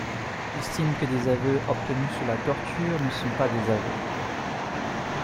J’estime que des aveux obtenus sous la torture ne sont pas des aveux.